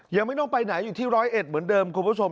ยังไม่ต้องไปไหนอยู่ที่ร้อยเอ็ดเหมือนเดิมคุณผู้ชม